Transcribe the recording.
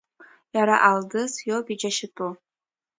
Иара Алдыз иоуп иџьашьатәу?